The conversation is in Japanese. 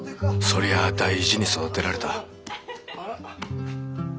そりゃあ大事に育てられた。